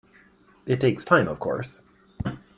It takes time of course.